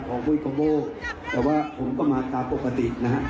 ของพุทธคีย์ของพวกแต่ว่าผมก็มาตามปกตินะฮะ